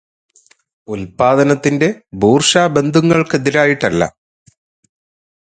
ഉല്പാദനത്തിന്റെ ബൂർഷ്വാബന്ധങ്ങൾക്കെതിരായിട്ടല്ല.